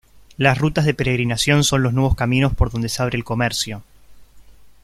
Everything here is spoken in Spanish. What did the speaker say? Las rutas de peregrinación son los nuevos caminos por donde se abre el comercio.